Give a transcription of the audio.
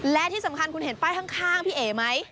และที่สำคัญคุณเห็นป้ายข้างพี่เอ๋ไหม